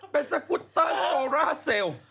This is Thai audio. เป็นสกุตเตอร์โซร่าเซลล์